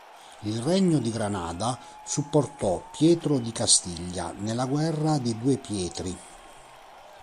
Il Regno di Granada supportò Pietro di Castiglia nella Guerra dei due Pietri.